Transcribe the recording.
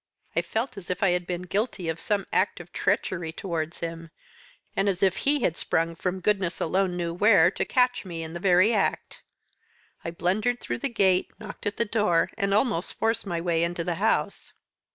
I felt as if I had been guilty of some act of treachery towards him, and as if he had sprung from goodness alone knew where to catch me in the very act. I blundered through the gate, knocked at the door and almost forced my way into the house."